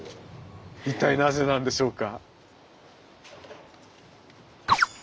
一体なぜなんでしょうか？